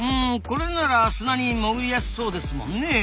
これなら砂に潜りやすそうですもんねえ。